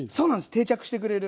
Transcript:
定着してくれる。